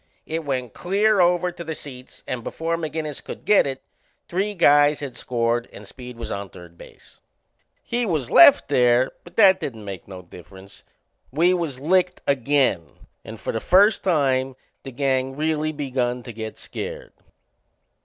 It went clear over to the seats and before McInnes could get it three guys had scored and Speed was on third base. He was left there, but that didn't make no difference. We was licked again and for the first time the gang really begun to get scared.